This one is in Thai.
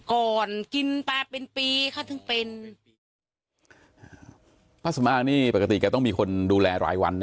ก่อนกินปลาเป็นปีเขาถึงเป็นป้าสมอ้างนี่ปกติแกต้องมีคนดูแลหลายวันนะ